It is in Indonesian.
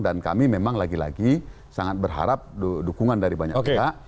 dan kami memang lagi lagi sangat berharap dukungan dari banyak kita